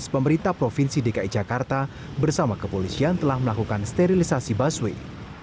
pemerintah provinsi dki jakarta bersama kepolisian telah melakukan sterilisasi busway